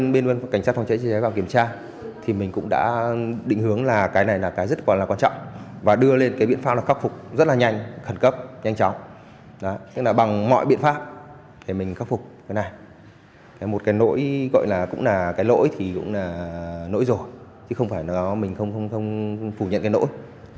để mình khắc phục cái này một cái nỗi gọi là cũng là cái nỗi thì cũng là nỗi rồi chứ không phải là mình không phủ nhận cái nỗi